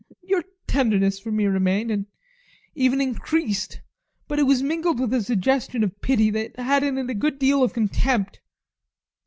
Your tenderness for me remained, and even increased, but it was mingled with a suggestion of pity that had in it a good deal of contempt.